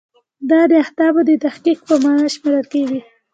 دا د اهدافو د تحقق په معنا شمیرل کیږي.